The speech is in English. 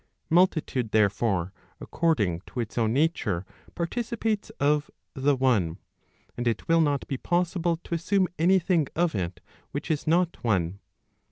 Multitude, there¬ fore, according to its own nature, participates of the one, and it will not be possible to assume any thing of it which is not one.